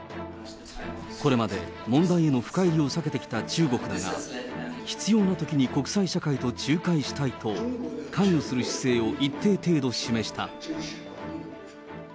これまで問題への深入りを避けてきた中国だが、必要なときに国際社会と仲介したいと、関与する姿勢を一定程度示した。